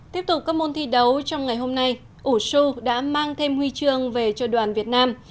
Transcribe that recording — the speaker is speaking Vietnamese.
tiếp tục các môn thi đấu trong ngày hôm nay ủ đã mang thêm huy chương về cho đoàn việt nam